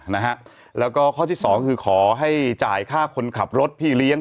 นะฮะแล้วก็ข้อที่สองคือขอให้จ่ายค่าคนขับรถพี่เลี้ยง